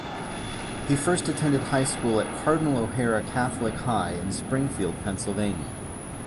He first attended high school at Cardinal O'Hara Catholic High in Springfield, Pennsylvania.